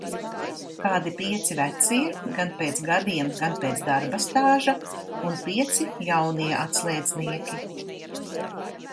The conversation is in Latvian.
"Kādi pieci vecie, gan pēc gadiem, gan pēc darba stāža un pieci "jaunie" atslēdznieki."